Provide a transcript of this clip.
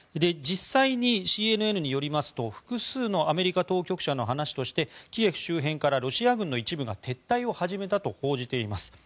実際にＣＮＮによりますと複数のアメリカ当局者の話としてキエフ周辺からロシア軍の一部が撤退を始めたと報じています。